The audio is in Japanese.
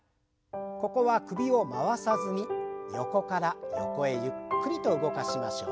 ここは首を回さずに横から横へゆっくりと動かしましょう。